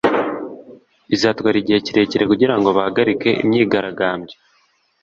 bizatwara igihe kirekire kugirango bahagarike imyigaragambyo.